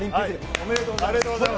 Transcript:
ありがとうございます。